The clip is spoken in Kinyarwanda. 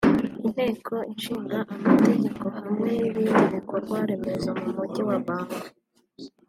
Inteko Ishinga Amategeko hamwe n’ibindi bikorwa remezo mu Mujyi wa Bangui